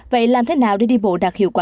vậy làm thế nào để đi bộ đạt hiệu quả